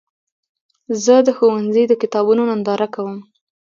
زه د ښوونځي د کتابونو ننداره کوم.